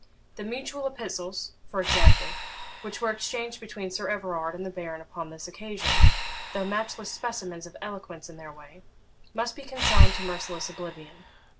The mutual epistles, for example, which were exchanged between Sir Everard and the Baron upon this occasion, though matchless specimens of eloquence in their way, must be consigned to merciless oblivion.